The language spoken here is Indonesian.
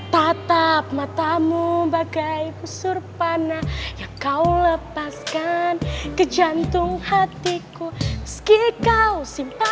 tatap matamu bagai pusur panah yang kau lepaskan ke jantung hatiku meski kau simpang